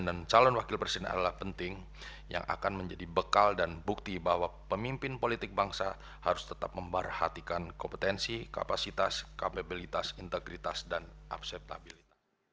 calon wakil presiden adalah penting yang akan menjadi bekal dan bukti bahwa pemimpin politik bangsa harus tetap memperhatikan kompetensi kapasitas kapabilitas integritas dan abseptabilitas